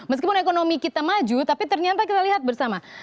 meskipun ekonomi kita maju tapi ternyata kita lihat bersama